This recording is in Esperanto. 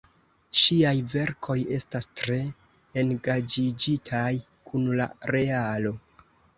Ŝiaj verkoj estas tre engaĝiĝitaj kun la realo.